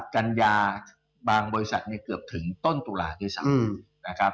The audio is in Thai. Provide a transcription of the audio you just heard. กันยาบางบริษัทเกือบถึงต้นตุลาคือสาม